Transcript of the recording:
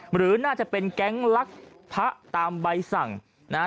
หรือน่าจะเป็นแก๊งลักพระตามใบสั่งนะฮะ